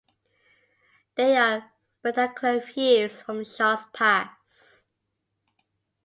There are spectacular views from Shaw's Pass.